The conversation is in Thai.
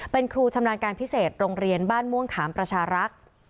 เป็นครูชำนาญการพิเศษโรงเรียนบ้านม่วงขามประชารักษ์